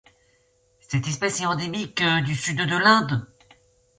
Cette espèce est endémique du sud de l'Inde.